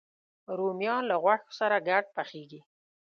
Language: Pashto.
رومیان له غوښو سره ګډ پخېږي